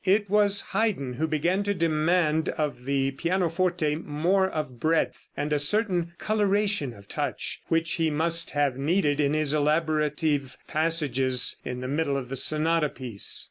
It was Haydn who began to demand of the pianoforte more of breadth, and a certain coloration of touch, which he must have needed in his elaborative passages in the middle of the sonata piece.